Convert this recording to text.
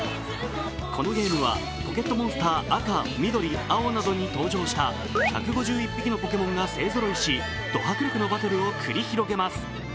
このゲームは「ポケットモンスター赤・緑・青」などに登場した１５１匹のポケモンが勢ぞろいしど迫力のバトルを繰り広げます。